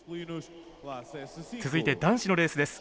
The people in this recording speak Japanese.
続いて男子のレースです。